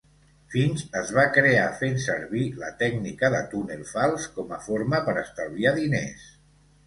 Finch es va crear fent servir la tècnica de túnel fals com a forma per estalviar diners.